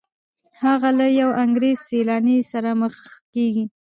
هغه له یو انګریز سیلاني سره مخ کیږي.